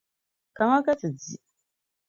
Kamina ka ti di.